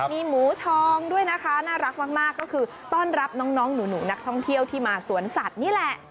มีหมูทองด้วยนะคะน่ารักมากก็คือต้อนรับน้องหนูนักท่องเที่ยวที่มาสวนสัตว์นี่แหละ